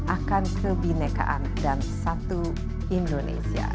akan kebinekaan dan satu indonesia